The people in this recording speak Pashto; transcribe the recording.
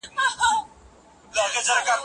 که ښوونکی حوصله ولري، زده کوونکي شرم نه احساسوي.